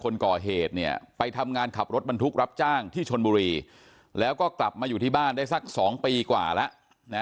คนก่อเหตุเนี่ยไปทำงานขับรถบรรทุกรับจ้างที่ชนบุรีแล้วก็กลับมาอยู่ที่บ้านได้สัก๒ปีกว่าแล้วนะ